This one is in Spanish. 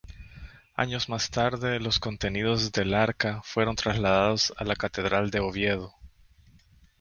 Años más tarde, los contenidos del arca fueron trasladados a la catedral de Oviedo.